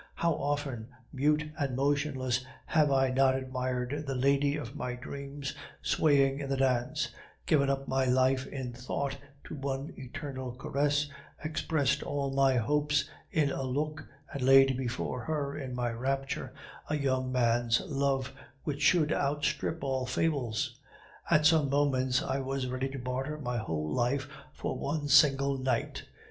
How often, mute and motionless, have I not admired the lady of my dreams, swaying in the dance; given up my life in thought to one eternal caress, expressed all my hopes in a look, and laid before her, in my rapture, a young man's love, which should outstrip all fables. At some moments I was ready to barter my whole life for one single night.